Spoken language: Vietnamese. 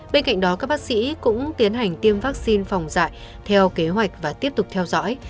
bên cạnh đó các bác sĩ cũng tiến hành tiêm vaccine phòng dạy theo kế hoạch và tiếp tục theo dõi